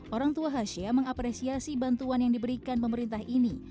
orang tua hasya mengapresiasi bantuan yang diberikan pemerintah ini